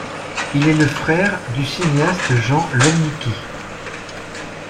Il est le frère du cinéaste Jan Łomnicki.